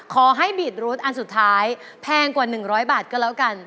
ขอให้บีดรถอันสุดท้ายแพงกว่า๑๐๐บาทก็แล้วกัน